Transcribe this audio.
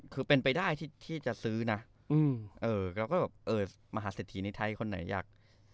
คือเป็นไปได้ที่จะซื้อนะเราก็แบบเออมหาเศรษฐีในไทยคนไหนอยาก